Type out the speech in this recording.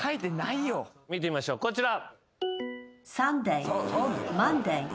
見てみましょうこちら。